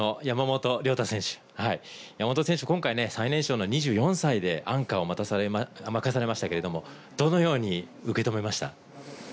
山本選手、今回ね、最年少の２４歳で、アンカーを任されましたけれども、どのように受け止めました？